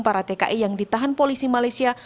para tki yang ditahan polisi malaysia